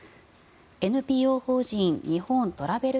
ＮＰＯ法人日本トラベル